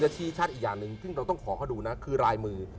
ยะชีชาญอีกอย่างหนึ่งคือกรายมือ